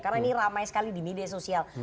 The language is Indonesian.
karena ini ramai sekali di media sosial